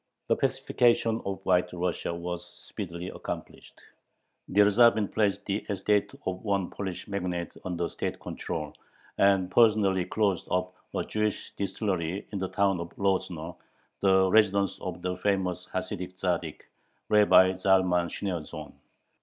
The pacification of White Russia was speedily accomplished. Dyerzhavin placed the estate of one Polish magnate under state control, and personally closed up a Jewish distillery in the town of Lozno, the residence of the famous Hasidic Tzaddik, Rabbi Zalman Shneorsohn.